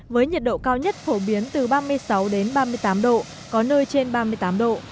với nhiệt độ cao nhất phổ biến từ ba mươi sáu đến ba mươi tám độ có nơi trên ba mươi tám độ